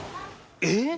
えっ！？